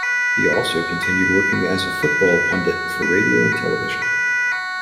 He also continued working as a football pundit for radio and television.